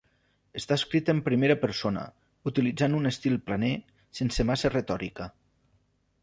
Està escrita en primera persona, utilitzant un estil planer, sense massa retòrica.